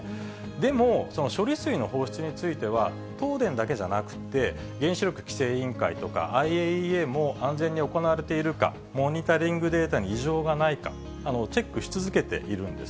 でも、その処理水の放出については、東電だけじゃなくて、原子力規制委員会とか、ＩＡＥＡも安全に行われているか、モニタリングデータに異常がないか、チェックし続けているんです。